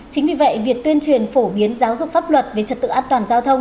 chính vì vậy việc tuyên truyền phổ biến giáo dục pháp luật về trật tự an toàn giao thông